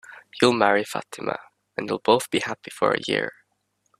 You'll marry Fatima, and you'll both be happy for a year.